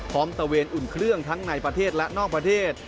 ตะเวนอุ่นเครื่องทั้งในประเทศและนอกประเทศ